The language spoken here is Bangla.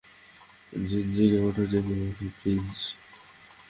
জিন, জেগে ওঠো, জেগে ওঠো, প্লিজ।